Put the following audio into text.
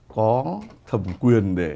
có thẩm quyền để